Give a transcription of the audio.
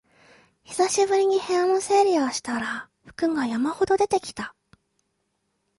久しぶりに部屋の整理をしたら服が山ほど出てきた